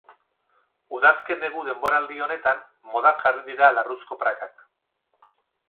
Udazken-negu denboraldi honetan modan jarri dira larruzko prakak.